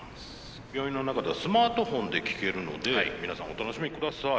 病院の中ではスマートフォンで聴けるので皆さんお楽しみください。